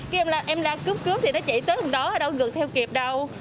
cái em la cướp cướp thì nó chạy tới hôm đó đâu ngược theo kịp đâu